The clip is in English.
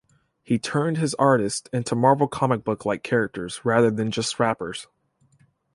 He turned his artists into Marvel comic book-like characters rather than just rappers.